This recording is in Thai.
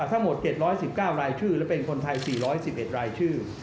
ทั้งหมด๗๑๙รายชื่อและเป็นคนไทย๔๑๑รายชื่อ